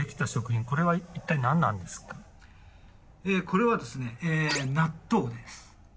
これはですねえー納豆です